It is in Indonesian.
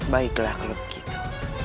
baiklah kalau begitu